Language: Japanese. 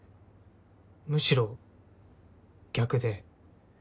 むしろ逆で。